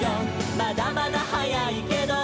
「まだまだ早いけど」